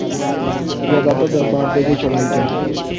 یا داتا دربار دیگیں چڑھائی جائیں؟